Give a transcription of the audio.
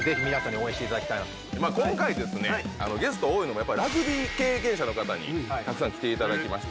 今回ゲスト多いのがラグビー経験者の方にたくさん来ていただきました。